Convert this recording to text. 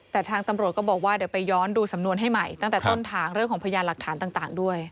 แต่ทางตำรวจก็บอกว่าเดี๋ยวไปย้อนดูสำนวนให้ใหม่ตั้งแต่ต้นทางเรื่องของพยานหลักฐานต่างด้วย